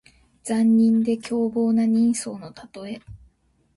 残忍で凶暴な人相のたとえ。